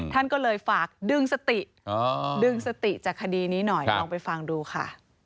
ท่านก็เลยฝากดึงสติดึงสติจากคดีนี้หน่อยลองไปฟังดูค่ะ